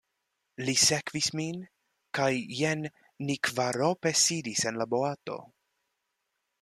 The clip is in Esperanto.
Li sekvis min kaj jen ni kvarope sidis en la boato.